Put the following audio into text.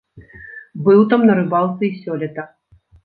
Быў там на рыбалцы і сёлета.